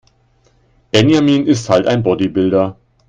Benjamin ist halt ein Bodybuilder.